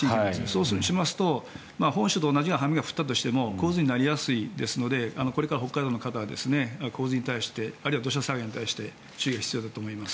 そうしますと本州と同じような雨が降ったとしても洪水になりやすいのでこれから北海道の方は洪水に対してあるいは土砂災害に対して注意が必要だと思います。